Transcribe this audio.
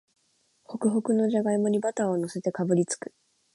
ホクホクのじゃがいもにバターをのせてかぶりつく